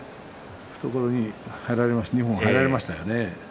懐に二本、入られました。